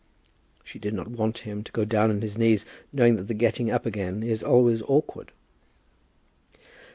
She did not want him to go down on his knees, knowing that the getting up again is always awkward.